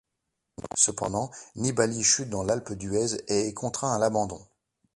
Cependant Nibali chute dans l'Alpes d'Huez et est contraint à l'abandon.